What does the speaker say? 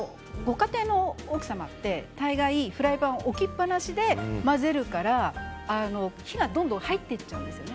主婦はフライパンを置きっぱなしで混ぜるから火がどんどん入っていっちゃうんです。